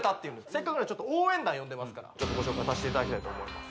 せっかくなんでちょっと応援団呼んでますからちょっとご紹介させていただきたいと思います